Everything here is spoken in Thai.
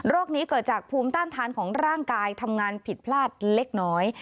นี้เกิดจากภูมิต้านทานของร่างกายทำงานผิดพลาดเล็กน้อย